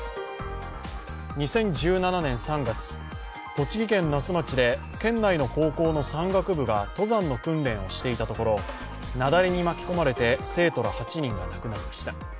２０１７年３月、栃木県那須町で県内の高校の山岳部が登山の訓練をしていたところ雪崩に巻き込まれて生徒ら８人が亡くなりました。